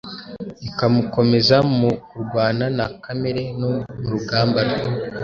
ikamukomeza mu kurwana na kamere no mu rugamba rwe